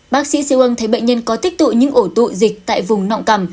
bác sĩ siêu ân thấy bệnh nhân có tích tụ những ổ tụ dịch tại vùng nọng cằm